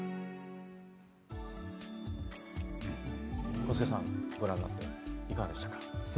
浩介さん、ご覧になっていかがでしたか。